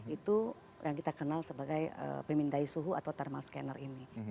itu yang kita kenal sebagai pemindai suhu atau thermal scanner ini